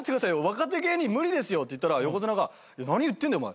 「若手芸人無理ですよ」って言ったら横綱が「何言ってんだよお前